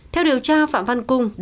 theo điều tra phạm văn cung